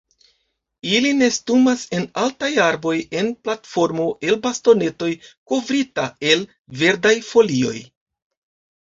Ili nestumas en altaj arboj en platformo el bastonetoj kovrita el verdaj folioj.